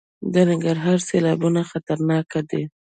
د ننګرهار سیلابونه خطرناک دي؟